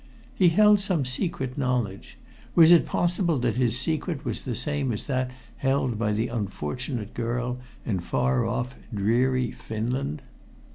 He held some secret knowledge. Was it possible that his secret was the same as that held by the unfortunate girl in far off, dreary Finland?